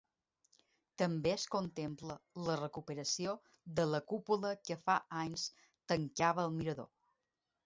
També es contempla la recuperació de la cúpula que fa anys tancava el mirador.